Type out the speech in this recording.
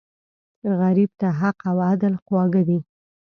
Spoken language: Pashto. غریب ته حق او عدل خواږه دي